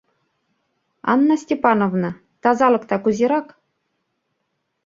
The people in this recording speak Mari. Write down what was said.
— Анна Степановна, тазалыкда кузерак?